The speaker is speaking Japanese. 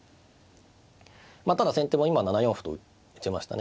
まあただ先手も今７四歩と打ちましたね。